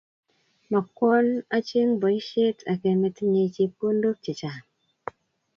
Makwoo acheng bosihet ake netinye cheokondok che chang